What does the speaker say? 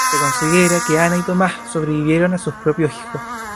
Se considera que Ana y Thomas sobrevivieron a sus propios hijos.